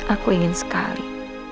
aku ingin sekali